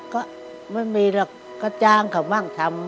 ก็ไม่มีหรอกก็จ้างค่ะบ้างทำ